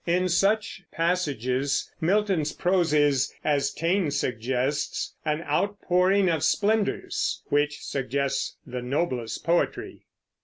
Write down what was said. In such passages Milton's prose is, as Taine suggests, "an outpouring of splendors," which suggests the noblest poetry.